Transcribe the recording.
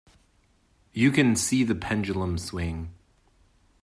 You can see the pendulum swing.